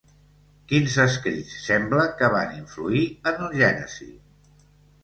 Quins escrits sembla que van influir en el Gènesi?